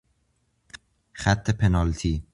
خط پنالتی